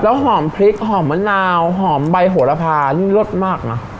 หอมพริกหอมมะนาวหอมใบโหระพานี่รสมากนะ